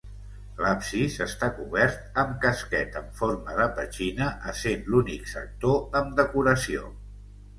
L'absis està cobert amb casquet en forma de petxina, essent l'únic sector amb decoració.